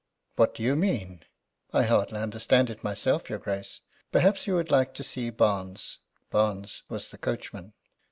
"What do you mean?" "I hardly understand myself, your Grace. Perhaps you would like to see Barnes." Barnes was the coachman.